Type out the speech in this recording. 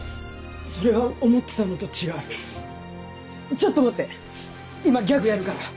ちょっと待って今ギャグやるから。